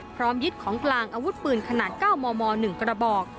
พร้อมยึดของกลางอาวุธปืนขนาด๙มม๑กระบอก